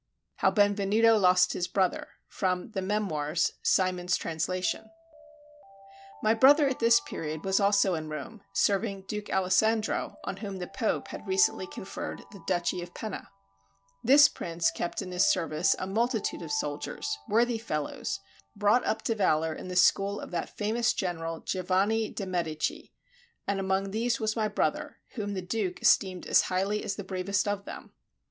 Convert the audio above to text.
HOW BENVENUTO LOST HIS BROTHER From the 'Memoirs': Symonds's Translation My brother at this period was also in Rome, serving Duke Alessandro, on whom the Pope had recently conferred the duchy of Penna. This prince kept in his service a multitude of soldiers, worthy fellows, brought up to valor in the school of that famous general Giovanni de' Medici; and among these was my brother, whom the Duke esteemed as highly as the bravest of them.